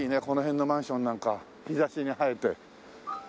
この辺のマンションなんか日差しに映えて。